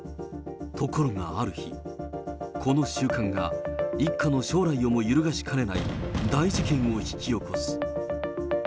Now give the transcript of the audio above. ところがある日、この習慣が、一家の将来をも揺るがしかねない大事件を引き起こす。